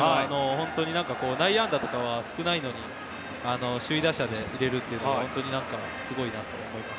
内野安打とかは少ないのに首位打者でいれるのは本当にすごいなと思います。